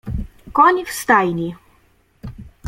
Koń w stajni.